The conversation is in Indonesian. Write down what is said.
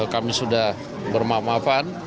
kami sudah bermakna maafan